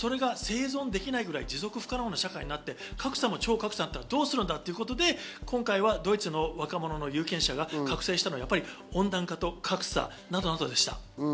生存できないぐらい持続不可能な社会になって超格差になったらどうするんだということで今回はドイツの若者の有権者が覚せいしたのは温暖化と格差などでした。